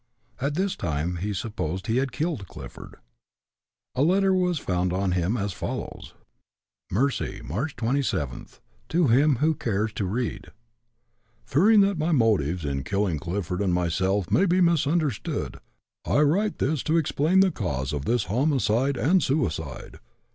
(At this time he supposed he had killed Clifford.) A letter was found on him, as follows: "Mercy, March 27th. To Him Who Cares to Read: Fearing that my motives in killing Clifford and myself may be misunderstood, I write this to explain the cause of this homicide and suicide.